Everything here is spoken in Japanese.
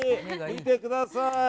見てください。